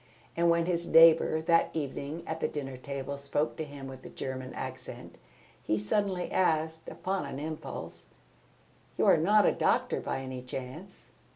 And when his neighbour that evening at the dinner table spoke to him with a German accent, he suddenly asked upon an impulse: "You are not a doctor by any chance?"